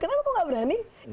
kenapa kok gak berani